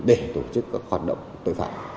để tổ chức các hoạt động tội phạm